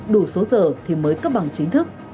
đủ số giờ thì mới cấp bằng chính thức